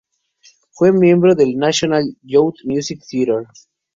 Fue miembro del National Youth Music Theatre.